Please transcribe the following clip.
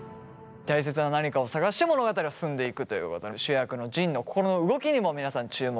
たいせつな何かを探して物語は進んでいくということで主役の仁の心の動きにも皆さん注目して見てみてください。